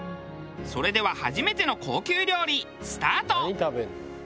それでは初めての高級料理スタート。